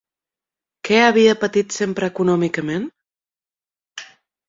Què havia patit sempre econòmicament?